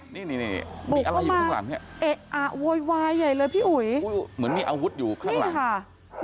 นี่นี่มีอะไรอยู่ข้างหลังเนี่ยเอ๊ะอ่ะโวยวายใหญ่เลยพี่อุ๋ยเหมือนมีอาวุธอยู่ข้างหลังค่ะ